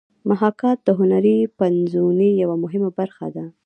محاکات د هنري پنځونې یوه مهمه برخه ده